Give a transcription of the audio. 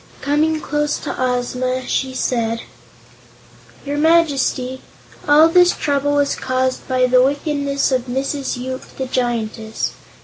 Coming close to Ozma, she said: "Your Majesty, all this trouble was caused by the wickedness of Mrs. Yoop, the Giantess.